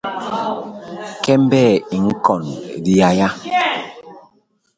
Kembe i ñkon diyaya .